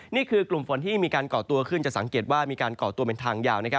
นี่คือกลุ่มฝนที่มีการก่อตัวขึ้นจะสังเกตว่ามีการก่อตัวเป็นทางยาว